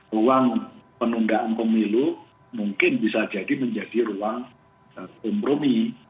ruang penundaan pemilu mungkin bisa jadi menjadi ruang kompromi